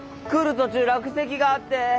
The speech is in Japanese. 途中落石があって。